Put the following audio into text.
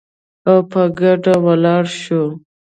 او په ګډه ولاړ شو